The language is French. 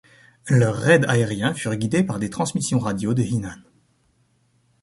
Leurs raids aériens furent guidés par des transmissions radio de Heenan.